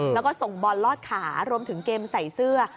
แล้วก็ส่งบอลลอดขารวมถึงเกมใส่เสื้อ